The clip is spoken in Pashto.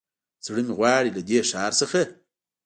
زړه مې غواړي له دې ښار څخه